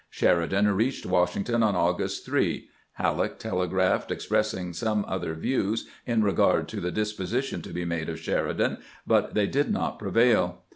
Sheridan reached Washington on August 3. Halleck A NEW COMMAND FOR SHEEIDAN 271 telegraphed expressing some other Adews in regard to the disposition to be made of Sheridan, but they did not prevail.